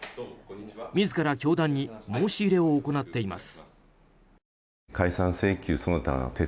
自ら教団に申し入れを行っています。